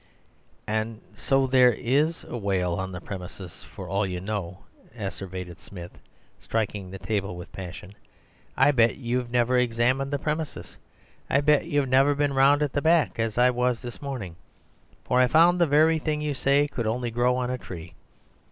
"And so there IS a whale on the premises for all you know," asseverated Smith, striking the table with passion. "I bet you've never examined the premises! I bet you've never been round at the back as I was this morning— for I found the very thing you say could only grow on a tree.